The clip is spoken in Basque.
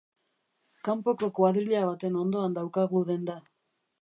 Kanpoko kuadrilla baten ondoan daukagu denda.